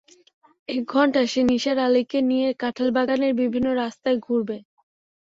এক ঘণ্টা সে নিসার আলিকে নিয়ে কাঁঠালবাগানের বিভিন্ন রাস্তায় ঘুরবে।